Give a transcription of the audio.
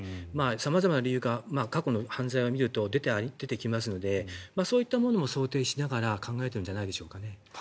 様々な理由が過去の犯罪を見ると出てきますのでそういったものも想定しながら考えてるんじゃないでしょうか。